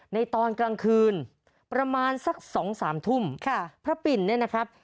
ในตอนกลางคืนประมาณสักสองสามทุ่มค่ะพระปิ่นเนี่ยนะครับ